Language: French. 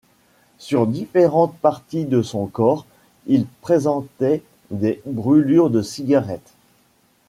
Sur différentes parties de son corps, il présentait des brûlures de cigarette.